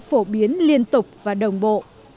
phổ biến liên tục và đồng bộ